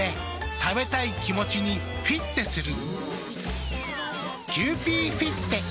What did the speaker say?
食べたい気持ちにフィッテする。